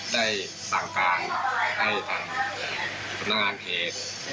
ได้สั่งการให้ทางสำนักงานเขต